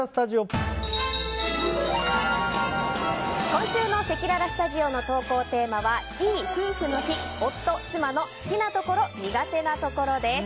今週のせきららスタジオの投稿テーマはいい夫婦の日夫・妻の好きなところ・苦手なところです。